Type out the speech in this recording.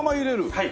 はい。